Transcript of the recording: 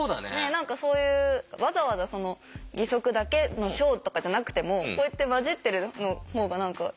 何かそういうわざわざ義足だけのショーとかじゃなくてもこうやって交じってる方が何かいいんじゃないかな。